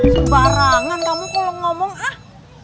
sembarangan kamu pulang ngomong ah